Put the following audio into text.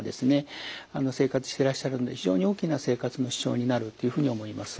生活してらっしゃるので非常に大きな生活の支障になるというふうに思います。